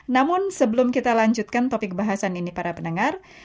namun sebelum kita lanjutkan topik bahasan ini para pendengar